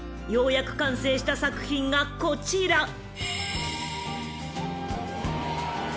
［ようやく完成した作品がこちら］